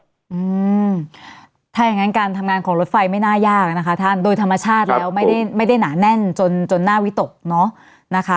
อืมถ้าอย่างงั้นการทำงานของรถไฟไม่น่ายากนะคะท่านโดยธรรมชาติแล้วไม่ได้ไม่ได้หนาแน่นจนจนหน้าวิตกเนอะนะคะ